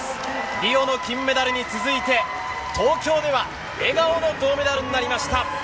リオの金メダルに続いて、東京では笑顔の銅メダルになりました。